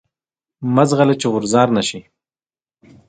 مه ځغله چی غوځار نه شی.